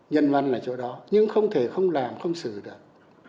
nhân văn ở chỗ đó nhưng không thể không làm không xử được